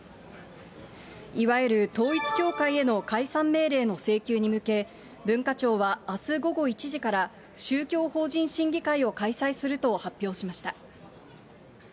いわゆる統一教会への解散命令の請求に向け、文化庁はあす午後１時から、宗教法人審議会を開催すると発表しました。